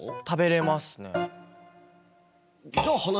食べれますね。